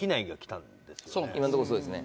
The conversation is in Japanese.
今んとこそうですね。